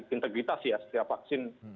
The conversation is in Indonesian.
integritas ya setiap vaksin